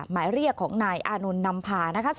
หมายเรียกของนายอานนท์นำพานะคะ